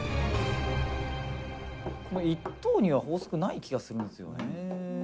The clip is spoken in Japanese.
「この１等には法則ない気がするんですよね」